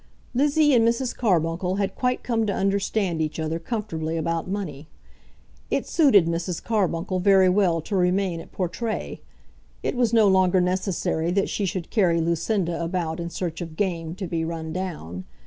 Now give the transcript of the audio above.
Lizzie and Mrs. Carbuncle had quite come to understand each other comfortably about money. It suited Mrs. Carbuncle very well to remain at Portray. It was no longer necessary that she should carry Lucinda about in search of game to be run down.